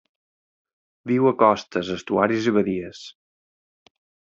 Viu a costes, estuaris i badies.